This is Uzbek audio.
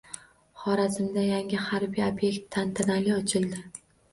Xorazmda yangi harbiy ob’ekt tantanali ochildi